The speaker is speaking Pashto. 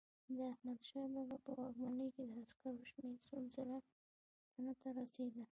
د احمدشاه بابا په واکمنۍ کې د عسکرو شمیر سل زره تنو ته رسېده.